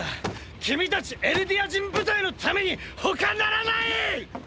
君たちエルディア人部隊のためにほかならない！